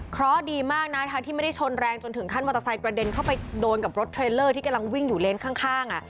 เพราะดีมากนะคะที่ไม่ได้ชนแรงจนถึงขั้นมอเตอร์ไซค์กระเด็นเข้าไปโดนกับรถเทรลเลอร์ที่กำลังวิ่งอยู่เลนส์ข้าง